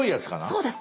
そうです。